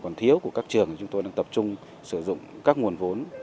còn thiếu của các trường thì chúng tôi đang tập trung sử dụng các nguồn vốn